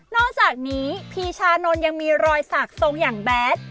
อกจากนี้พีชานนท์ยังมีรอยสักทรงอย่างแบด